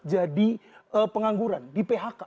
jadi pengangguran di phk